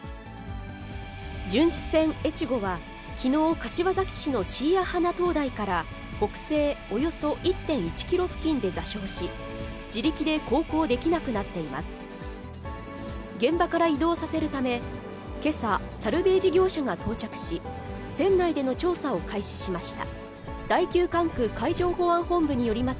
巡視船えちごは、きのう、柏崎市の椎谷鼻灯台から北西およそ１．１キロ付近で座礁し、自力で航行できなくなっています。